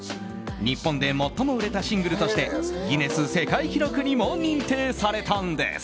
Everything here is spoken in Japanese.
日本で最も売れたシングルとしてギネス世界記録にも認定されたんです。